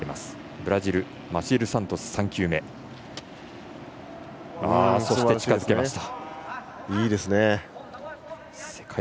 ブラジル、マシエル・サントスの３球目。近づけました。